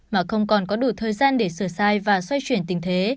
mà không còn có đủ thời gian để sửa sai và xoay chuyển tình thế